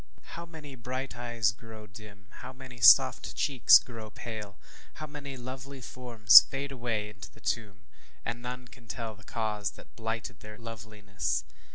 How many bright eyes grow dim how many soft cheeks grow pale how many lovely forms fade away into the tomb, and none can tell the cause that blighted their loveliness!